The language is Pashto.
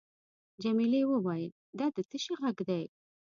جميلې وويل:: دا د څه شي ږغ دی؟